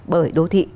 bởi đô thị